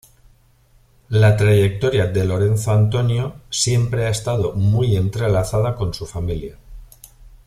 La trayectoria de Lorenzo Antonio siempre ha estado muy entrelazada con su familia.